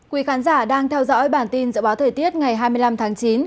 quý khán giả đang theo dõi bản tin dự báo thời tiết ngày hai mươi năm tháng chín